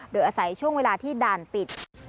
โดยอาศัยช่วงเวลาที่ด่านปิด